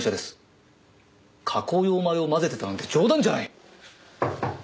加工用米を混ぜていたなんて冗談じゃない！